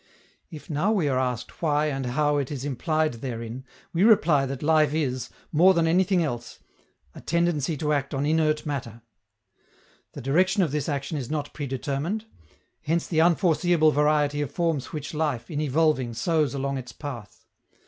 If now we are asked why and how it is implied therein, we reply that life is, more than anything else, a tendency to act on inert matter. The direction of this action is not predetermined; hence the unforeseeable variety of forms which life, in evolving, sows along its path.